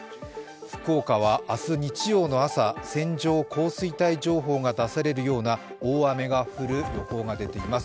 福岡は明日日曜の朝、線状降水帯情報が出されるような大雨が降る予報が出ています。